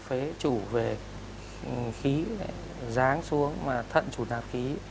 phế chủ về khí ráng xuống mà thận chủ đạp khí